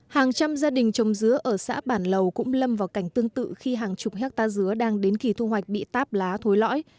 hàng trăm gia đình trồng dứa ở xã bản lầu cũng lâm vào cảnh tương tự khi hàng chục hectare dứa đang đến kỳ thu hoạch bị táp lá thối lõi